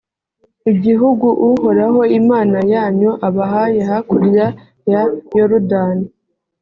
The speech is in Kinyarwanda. igihugu uhoraho imana yanyu abahaye hakurya ya yorudani